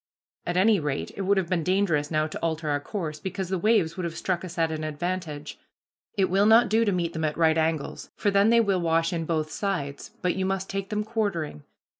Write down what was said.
At any rate it would have been dangerous now to alter our course, because the waves would have struck us at an advantage. It will not do to meet them at right angles, for then they will wash in both sides, but you must take them quartering.